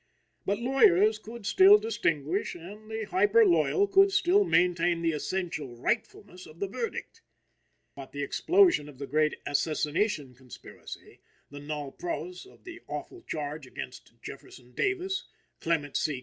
But lawyers could still distinguish, and the hyperloyal could still maintain the essential rightfulness of the verdict. But the explosion of the great assassination conspiracy; the nol pros. of the awful charge against Jefferson Davis, Clement C.